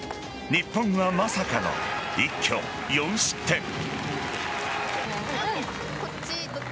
日本はまさかの一挙４失点。